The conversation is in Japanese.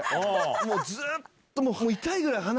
もうずっと。